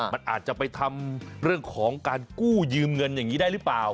มันอาจจะไปทำเรื่องของการกู้ยืมเงินอย่างนี้ได้หรือเปล่า